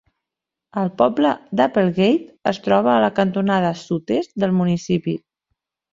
El poble d'Applegate es troba a la cantonada sud-est del municipi.